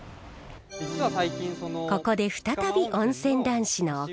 ここで再び温泉男子の奥澤さん。